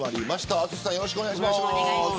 淳さん、よろしくお願いします。